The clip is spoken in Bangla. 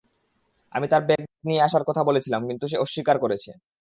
আমি তার ব্যাগ নিয়ে আসার কথা বলেছিলাম কিন্তু সে অস্বীকার করেছে।